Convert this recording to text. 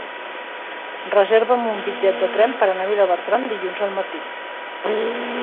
Reserva'm un bitllet de tren per anar a Vilabertran dilluns al matí.